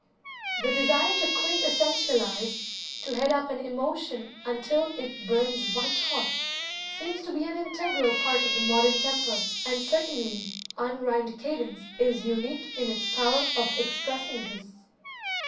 The desire to "quintessentialize", to head up an emotion until it burns white hot, seems to be an integral part of the modern temper, and certainly "unrhymed cadence" is unique in its power of expressing this.